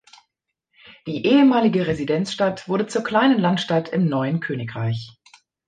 Die ehemalige Residenzstadt wurde zur kleinen Landstadt im neuen Königreich.